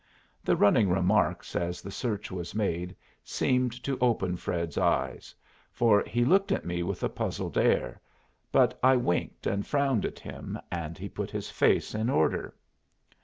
The running remarks as the search was made seemed to open Fred's eyes, for he looked at me with a puzzled air, but I winked and frowned at him, and he put his face in order.